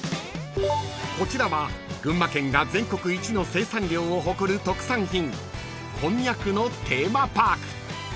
［こちらは群馬県が全国一の生産量を誇る特産品こんにゃくのテーマパーク］